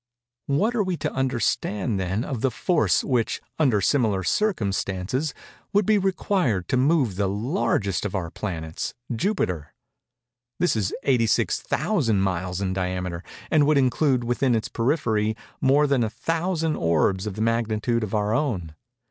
What are we to understand, then, of the force, which under similar circumstances, would be required to move the largest of our planets, Jupiter? This is 86,000 miles in diameter, and would include within its periphery more than a thousand orbs of the magnitude of our own.